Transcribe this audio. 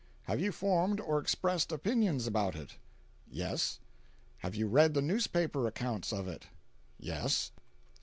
"Have you formed or expressed opinions about it?" "Yes." "Have you read the newspaper accounts of it?" "Yes."